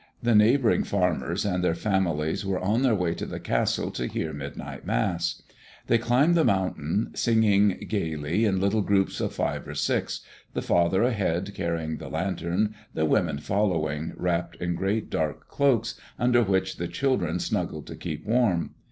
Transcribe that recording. The neighboring farmers and their families were on their way to the castle to hear midnight Mass. They climbed the mountain singing gayly, in little groups of five or six, the father ahead carrying the lantern, the women following, wrapped in great dark cloaks under which the children snuggled to keep warm.